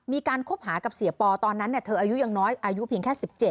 คบหากับเสียปอตอนนั้นเธออายุยังน้อยอายุเพียงแค่๑๗